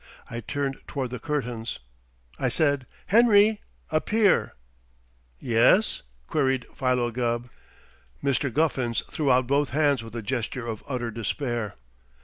I turned toward the curtains. I said, 'Henry, appear!'" "Yes?" queried Philo Gubb. Mr. Guffins threw out both hands with a gesture of utter despair.